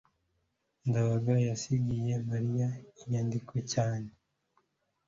ndabaga yasigiye mariya inyandiko cyane